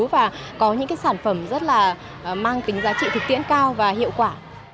và có những sản phẩm rất là mang tính giá trị thực tiễn cao và hiệu quả